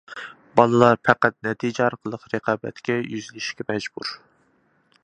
بالىلار پەقەت نەتىجە ئارقىلىق رىقابەتكە يۈزلىنىشكە مەجبۇر.